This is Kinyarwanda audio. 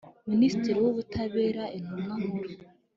Minisitiri w Ubutabera Intumwa Nkuru